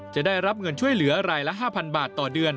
จะได้รับเงินช่วยเหลือรายละ๕๐๐บาทต่อเดือน